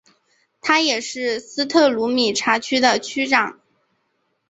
他也是斯特鲁米察区的区长。